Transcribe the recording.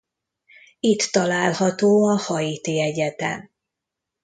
Itt található a Haiti Egyetem.